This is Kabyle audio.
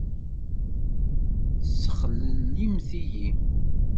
Tessexlellimt-iyi!